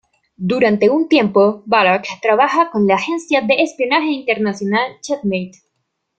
Durante un tiempo Bullock trabaja con la agencia de espionaje internacional "Checkmate".